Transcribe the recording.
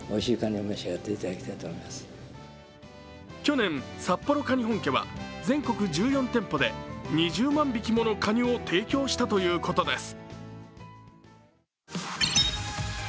去年、札幌かに本家は、全国１４店舗で２０万匹ものかにを提供したということです。